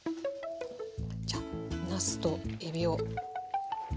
じゃあなすとえびを。